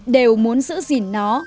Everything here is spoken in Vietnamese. đều muốn giữ gìn nó